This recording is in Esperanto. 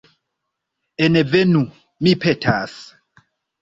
Envenu, mi petas.